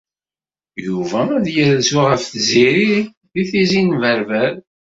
Yuba ad yerzu ɣef Tiziri deg Tizi n Berber.